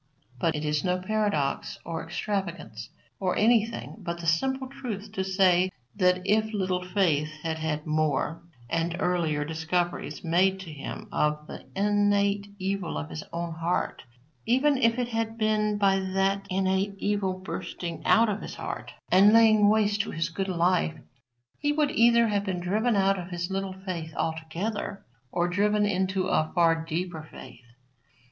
But it is no paradox or extravagance or anything but the simple truth to say that if Little Faith had had more and earlier discoveries made to him of the innate evil of his own heart, even if it had been by that innate evil bursting out of his heart and laying waste his good life, he would either have been driven out of his little faith altogether or driven into a far deeper faith.